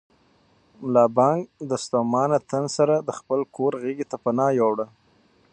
ملا بانګ د ستومانه تن سره د خپل کور غېږې ته پناه یووړه.